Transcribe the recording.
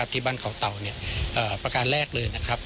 ที่บ้านเขาเต่าประการแรกเลย